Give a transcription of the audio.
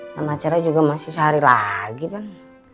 sama acaranya juga masih sehari lagi bang